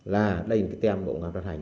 là đây là cái tem bộ công an phát hành